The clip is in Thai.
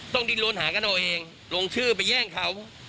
ดินลนหากันเอาเองลงชื่อไปแย่งเขา